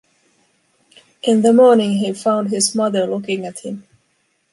In the morning he found his mother looking at him.